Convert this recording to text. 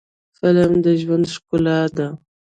فلم د ژوند ښکلا ده